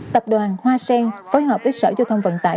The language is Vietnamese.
tập đoàn hoa sen phối hợp với sở giao thông vận tải